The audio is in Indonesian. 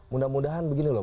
mudah mudahan begini loh